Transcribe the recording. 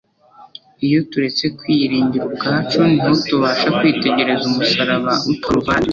Iyo turetse kwiyiringira ubwacu, niho tubasha kwitegereza umusaraba w'i Karuvali